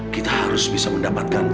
kita harus bisa mendapatkan